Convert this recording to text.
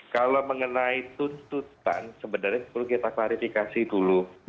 kalau mengenai tuntutan sebenarnya perlu kita klarifikasi dulu